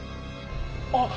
あっ！